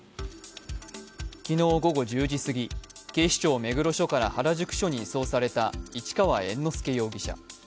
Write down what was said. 昨日午後１０時過ぎ、警視庁目黒署から原宿署に移送された市川猿之助容疑者。